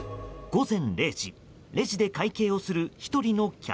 午前０時レジで会計をする１人の客。